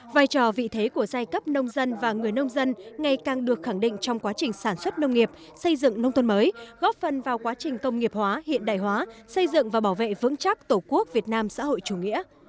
vai trò vị thế của giai cấp nông dân và người nông dân ngày càng được khẳng định trong quá trình sản xuất nông nghiệp xây dựng nông thôn mới góp phần vào quá trình công nghiệp hóa hiện đại hóa xây dựng và bảo vệ vững chắc tổ quốc việt nam xã hội chủ nghĩa